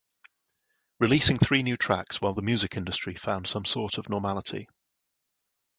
Releasing three new tracks while the music industry found some sort of normality.